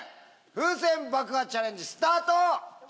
風船爆破チャレンジスタート！